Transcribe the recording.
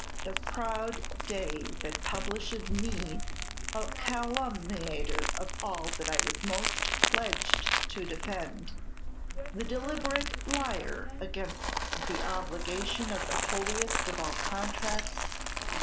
"The proud day that published me a calumniator of all that I was most pledged to defend, the deliberate liar against the obligation of the holiest of all contracts!